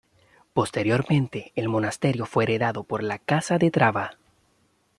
Posteriormente el monasterio fue heredado por la Casa de Traba.